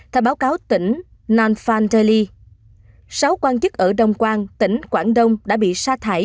theo báo cáo tỉnh nanfanteli sáu quan chức ở đông quang tỉnh quảng đông đã bị sa thải